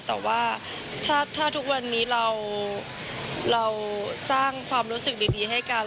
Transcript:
แต่ว่าถ้าทุกวันนี้เราสร้างความรู้สึกดีให้กัน